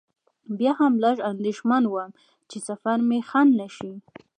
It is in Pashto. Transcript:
بیا هم لږ اندېښمن وم چې سفر مې خنډ نه شي.